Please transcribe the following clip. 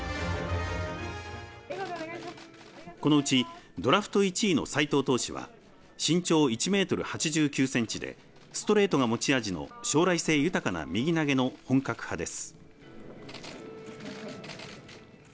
このうちドラフト１位の斉藤投手は身長１メートル８９センチでストレートが持ち味の将来性豊かな右投げの本格派です。